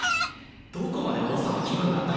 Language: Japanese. どこまで王様気分なんだよ！